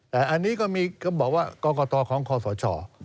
แต่อันนี้ก็บอกว่ากอกอตรอของคอสอชอ